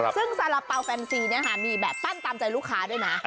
ซึ่งสาระเป๋าแฟนซีมีแบบปั้นตามใจลูกค้าด้วยนะ